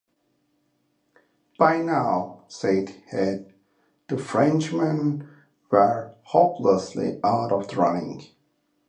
"By now," said Head, "the Frenchmen were hopelessly out of the running.